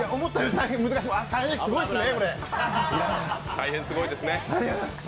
大変すごいですね、これ。